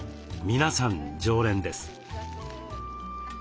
皆さん常連です。